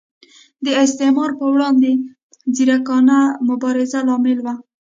د استعمار پر وړاندې ځیرکانه مبارزه لامل و.